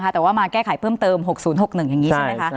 แต่ว่ามาแก้ไขเพิ่มเติม๖๐๖๑อย่างนี้ใช่ไหมคะ